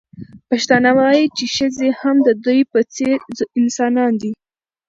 پښتانه وايي چې ښځې هم د دوی په څېر انسانان دي.